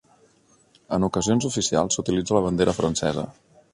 En ocasions oficials s'utilitza la bandera francesa.